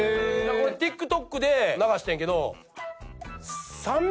これＴｉｋＴｏｋで流してんけど。